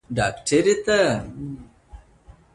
د ناول کيسه يا داستان د اوسني وخت